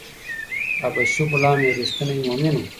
حبشي غلام یو ریښتینی مومن و.